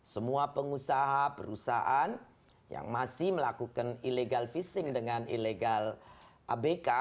semua pengusaha perusahaan yang masih melakukan illegal fishing dengan illegal abk